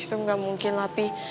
itu enggak mungkin lah pi